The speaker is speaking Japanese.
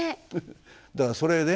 だからそれね